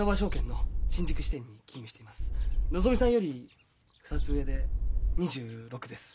のぞみさんより２つ上で２６です。